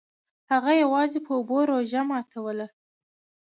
هغه یوازې په اوبو روژه ماتوله.